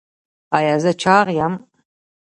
ایا زه چاغ یم؟